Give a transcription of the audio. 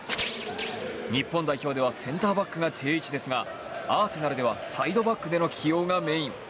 日本代表ではセンターバックが定位置ですがアーセナルではサイドバックでの起用がメイン。